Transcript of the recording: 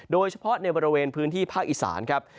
โดยเฉพาะในบริเวณพื้นที่ภาคอีสานครับ